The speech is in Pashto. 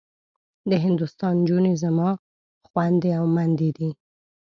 د هندوستان نجونې زما خوندي او مندي دي.